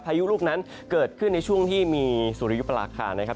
ยุลูกนั้นเกิดขึ้นในช่วงที่มีสุริยุปราคานะครับ